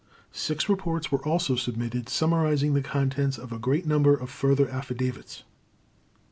Six reports were also submitted, summarizing the contents of a great number of further affidavits.